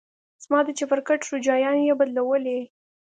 زما د چپرکټ روجايانې يې بدلولې.